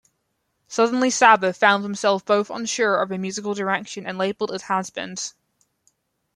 Suddenly Sabbath found themselves both unsure of their musical direction and labeled as has-beens.